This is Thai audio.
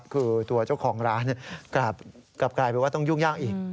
คือตัวเจ้าของร้านกลับกลายเป็นว่าต้องยุ่งยากอีก